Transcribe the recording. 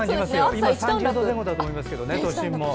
今３０度前後だと思いますけどね都心も。